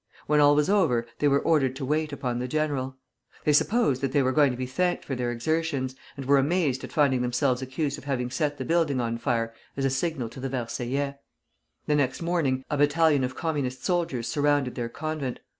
When all was over, they were ordered to wait upon the general. They supposed that they were going to be thanked for their exertions, and were amazed at finding themselves accused of having set the building on fire as a signal to the Versaillais. The next morning a battalion of Communist soldiers surrounded their convent.